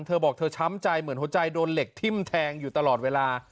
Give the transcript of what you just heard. เธอบอกเธอช้ำใจเหมือนหัวใจโดนเหล็กทิ้มแทงอยู่ตลอดเวลา